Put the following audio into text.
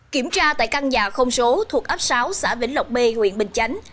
kiểm tra tại căn nhà không số thuộc ấp sáu xã vĩnh lộc b huyện bình chánh